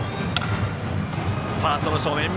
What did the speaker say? ファーストの正面。